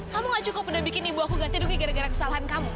kamu gak cukup udah bikin ibu aku ganti rugi gara gara kesalahan kamu